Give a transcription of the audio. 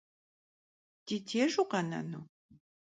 Di dêjj vukhenenu?